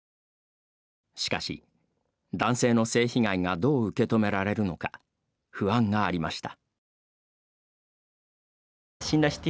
しかし、男性の性被害がどう受け止められるのか不安がありました。